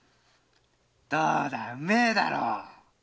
どうだうめえだろ！